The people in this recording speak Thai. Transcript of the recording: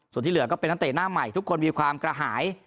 ส่วนที่เหลือก็เป็นนักเตะหน้าใหม่ทุกคนมีความกระหาย